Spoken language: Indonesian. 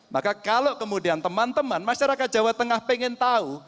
maka kalau kemudian teman teman masyarakat jawa tengah pengen tahu